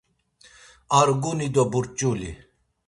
Arguni do burç̌uli